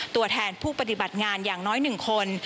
ตัวแทนผู้ปฏิบัติงานอย่างน้อย๑คน